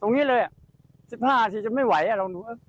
ตรงนี้เลย๑๕นาทีจะไม่ไหว